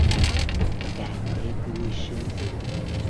Càng thêm vui sướng